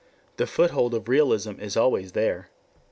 The foothold of realism is always there.